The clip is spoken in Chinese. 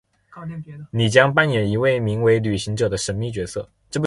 你将扮演一位名为「旅行者」的神秘角色。